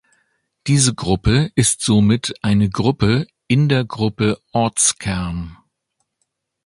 Diese Gruppe ist somit eine Gruppe in der Gruppe „Ortskern“.